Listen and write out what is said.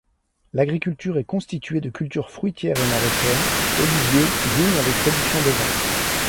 L'agriculture est constitué de cultures fruitières et maraichères, oliviers, vignes avec production de vin.